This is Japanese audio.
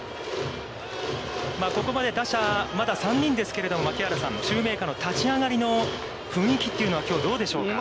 ここまで打者、まだ３人ですけれども、槙原さん、シューメーカーの立ち上がりの雰囲気は、きょうはどうでしょうか。